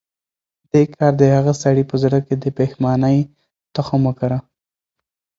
دې کار د هغه سړي په زړه کې د پښېمانۍ تخم وکره.